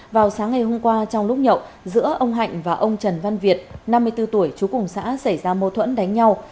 vào sáng ngày hôm qua trong lúc nhậu giữa ông hạnh và ông trần văn việt năm mươi bốn tuổi chú cùng xã xảy ra mâu thuẫn đánh nhau